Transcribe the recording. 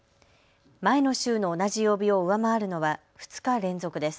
前の週の同じ曜日を上回るのは２日連続です。